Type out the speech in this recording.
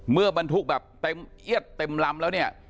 เมื่อบันทุกแบบเอียดเต็มลำแล้วนี่